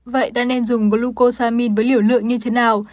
vậy ta nên dùng glucosamine với liều lượng như thế nào